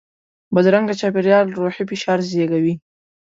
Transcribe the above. بدرنګه چاپېریال روحي فشار زیږوي